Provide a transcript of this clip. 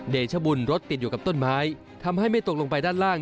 ชบุญรถติดอยู่กับต้นไม้ทำให้ไม่ตกลงไปด้านล่าง